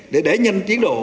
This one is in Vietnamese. để đẩy nhanh chiến độ